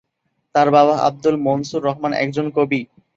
তার বাবা আব্দুল মনসুর রহমান একজন কবি।